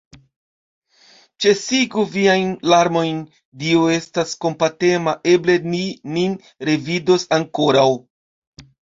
Ĉesigu viajn larmojn, Dio estas kompatema, eble ni nin revidos ankoraŭ!